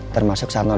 termasuk salno daya lo